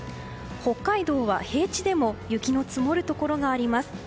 北海道は、平地でも雪の積もるところがあります。